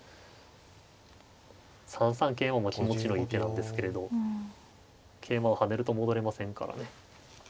３三桂馬も気持ちのいい手なんですけれど桂馬を跳ねると戻れませんからね。